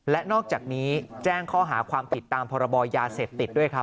และนอกจากนี้แจ้งข้อหาความผิดตามพรบยาเสพติดด้วยครับ